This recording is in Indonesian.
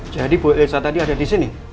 jadi bu elsa tadi ada disini